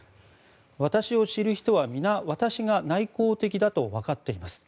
私を知る人は皆、私が内向的だとわかっています。